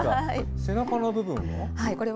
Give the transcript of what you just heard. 背中の部分は？